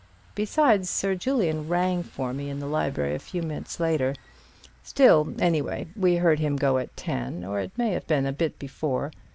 Besides, Sir Julian rang for me in the library a few minutes later. Still, anyway, we heard him go at ten, or it may have been a bit before.